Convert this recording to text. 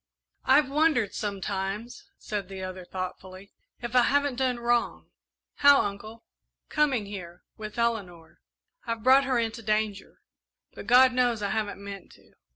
"I've wondered sometimes," said the other, thoughtfully, "if I haven't done wrong." "How, Uncle?" "Coming here with Eleanor. I've brought her into danger, but God knows I haven't meant to.